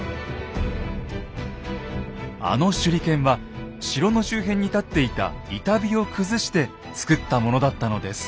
あの手裏剣は城の周辺に立っていた板碑を崩して作ったものだったのです。